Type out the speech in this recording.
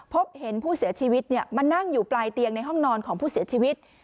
พบเห็นผู้เสียชีวิตมานั่งอยู่ปลายเตียงในห้องนอนของผู้เสียชีวิต